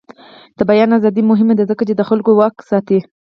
د بیان ازادي مهمه ده ځکه چې د خلکو واک ساتي.